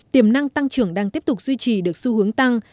tiềm năng tăng trưởng đang tiếp tục duy trì được xu hướng tăng